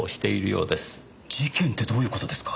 事件ってどういう事ですか？